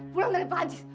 pulang dari pak anjis